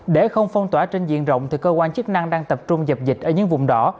để không phong tỏa trên diện rộng thì cơ quan chức năng đang tập trung dập dịch ở những vùng đỏ